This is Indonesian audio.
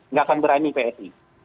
nggak akan berani psi